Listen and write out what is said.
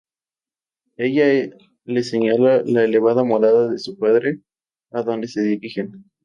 Ella les señala la elevada morada de su padre, adonde se dirigen.